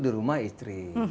di rumah istri